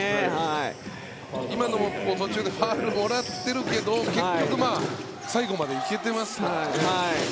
今のも途中でファウルもらってるけど結局最後まで行けてますからね。